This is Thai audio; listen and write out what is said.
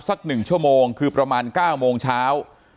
สัก๑ชั่วโมงคือประมาณ๙โมงเช้า